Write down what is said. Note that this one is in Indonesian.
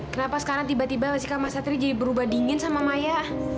kenapa sekarang tiba tiba sikap mas satri jadi berubah dingin sama maya